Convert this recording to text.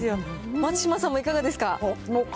松嶋さんもいかがですか？